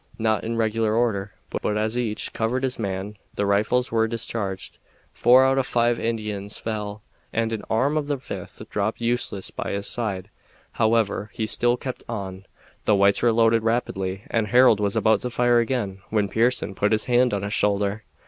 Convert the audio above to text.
Not in regular order, but as each covered his man, the rifles were discharged. Four out of the five Indians fell, and an arm of the fifth dropped useless by his side; however, he still kept on. The whites reloaded rapidly, and Harold was about to fire again when Pearson put his hand on his shoulder.